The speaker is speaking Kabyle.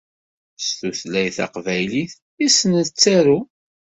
S tutlayt taqbaylit i s-nettaru.